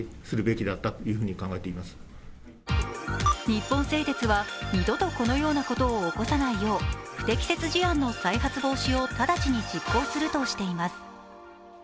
日本製鉄は二度とこのようなことを起こさないよう不適切事案の再発防止を直ちに実行するとしています。